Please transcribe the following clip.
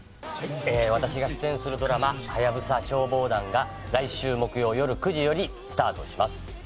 私が出演するドラマ『ハヤブサ消防団』が来週木曜よる９時よりスタートします。